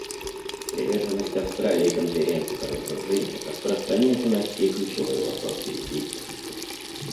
Приверженность Австралии Конференции по разоружению распространяется на все ключевые вопросы ее деятельности.